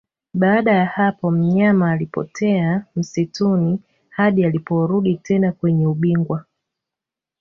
Baada ya hapo mnyama alipotea msituni hadi aliporudi tena kwenye ubingwa